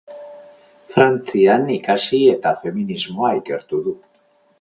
Frantzian ikasi eta feminismoa ikertu du.